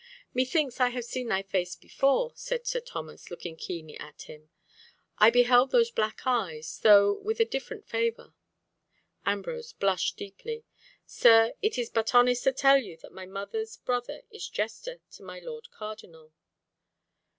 "Methinks I have seen thy face before," said Sir Thomas, looking keenly at him. "I have beheld those black eyes, though with a different favour." Ambrose blushed deeply. "Sir, it is but honest to tell you that my mother's brother is jester to my Lord Cardinal."